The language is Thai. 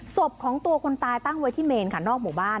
ศพของตัวคนตายตั้งไว้ที่เมนค่ะนอกหมู่บ้าน